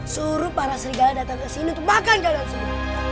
suruh para serigala datang kesini untuk makan jalan suri